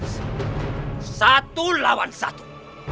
sebut satu lawan satu